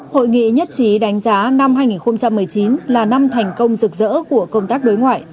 hội nghị nhất trí đánh giá năm hai nghìn một mươi chín là năm thành công rực rỡ của công tác đối ngoại